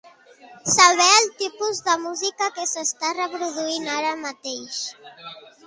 Saber el tipus de música que s'està reproduint ara mateix.